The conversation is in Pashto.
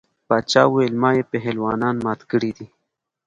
باچا ویل ما یې پهلوانان مات کړي دي.